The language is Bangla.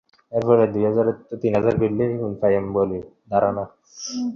পরে তারা ভোর সোয়া চারটার দিকে মূল ফটকে তালা লাগিয়ে দেয়।